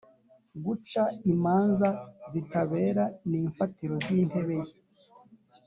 guca imanza zitabera ni imfatiro z’intebe ye